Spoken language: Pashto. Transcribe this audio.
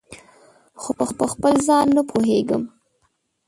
خو پخپل ځان نه پوهیږم